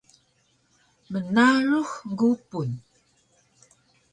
Mnarux gupun